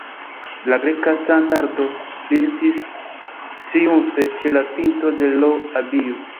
La Greka standardo flirtis triumfe ĉe la pinto de l' abio.